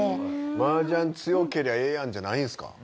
麻雀強けりゃええやんじゃないんすか。